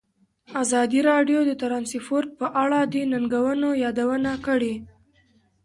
ازادي راډیو د ترانسپورټ په اړه د ننګونو یادونه کړې.